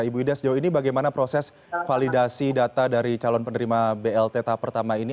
ibu ida sejauh ini bagaimana proses validasi data dari calon penerima blt tahap pertama ini